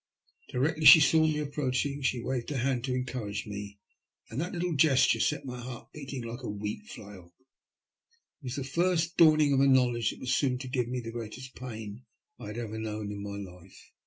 Directly she saw me approaching, she waved her hand to encourage me, and that little ges ture set my heart beating like a wheat flail. It was the first dawning of a knowledge that was soon to give me the greatest pain I had ever yet known in my life.